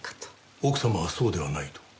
奥様はそうではないと？